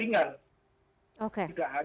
ini adalah jaringan